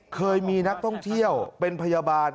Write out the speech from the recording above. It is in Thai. เคยมีนักท่องเที่ยวเป็นพยาบาล